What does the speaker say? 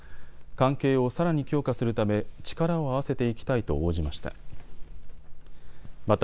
関係をさらに強化するため力を合わせていきたいと応じました。